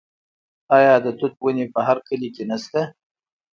آیا د توت ونې په هر کلي کې نشته؟